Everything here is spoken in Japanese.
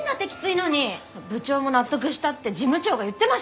部長も納得したって事務長が言ってましたけど！